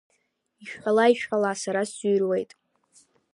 Ишәҳәала, ишәҳәала, сара сӡырҩуеит…